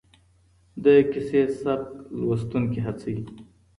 د کيسې سبک لوستونکي هڅوي.